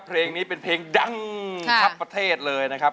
เพลงนี้เป็นเพลงดังทับประเทศเลยนะครับ